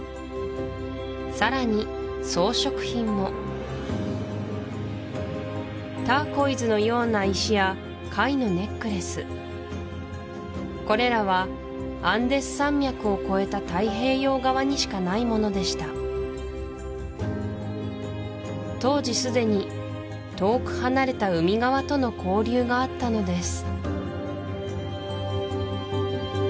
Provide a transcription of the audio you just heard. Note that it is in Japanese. さらに装飾品もターコイズのような石や貝のネックレスこれらはアンデス山脈を越えた太平洋側にしかないものでした当時すでに遠く離れた海側との交流があったのです